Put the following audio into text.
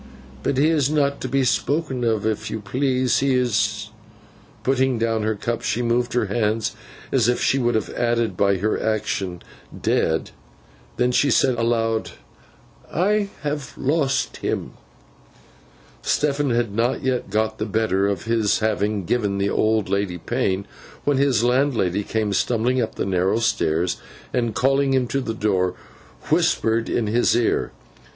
But he is not to be spoken of if you please. He is—' Putting down her cup, she moved her hands as if she would have added, by her action, 'dead!' Then she said aloud, 'I have lost him.' Stephen had not yet got the better of his having given the old lady pain, when his landlady came stumbling up the narrow stairs, and calling him to the door, whispered in his ear.